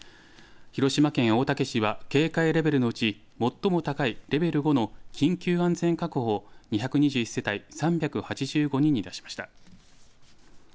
広島県大竹市は、警戒レベルのうち最も高いレベル５の緊急安全確保を２２１世帯３８５人に出しました。